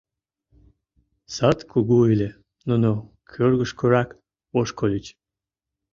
Сад кугу ыле, нуно кӧргышкырак ошкыльыч.